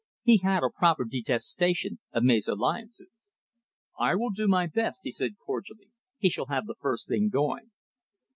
He had a proper detestation of mesalliances. "I will do my best," he said cordially. "He shall have the first thing going."